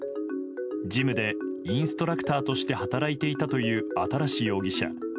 ジムでインストラクターとして働いていたという新容疑者。